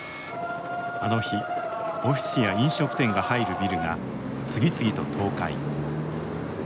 あの日、オフィスや飲食店が入るビルが次々と倒壊。